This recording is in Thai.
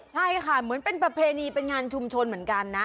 ใช่ค่ะเหมือนเป็นประเพณีเป็นงานชุมชนเหมือนกันนะ